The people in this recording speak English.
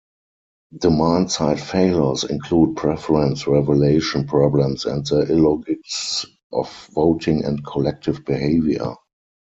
Demand-side failures include preference-revelation problems and the illogics of voting and collective behaviour.